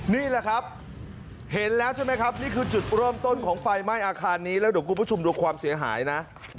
นี่แหละครับเห็นแล้วใช่ไหมครับนี่คือจุดเริ่มต้นของไฟไหม้อาคารนี้แล้วเดี๋ยวคุณผู้ชมดูความเสียหายนะ